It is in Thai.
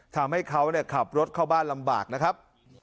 ทำให้เขาขับรถเข้าบ้านลำบากนะครับ